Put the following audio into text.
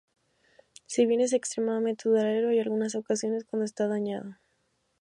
Si bien es extremadamente duradero, hay algunas ocasiones cuando está dañado.